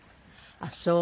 あっそう。